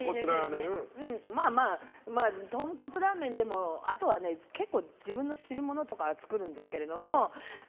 まあ、豚骨ラーメンでもあとは結構自分の汁物とか作るんですけれども。